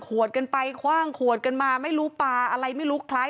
ขวดกันไปคว่างขวดกันมาไม่รู้ปลาอะไรไม่รู้คล้าย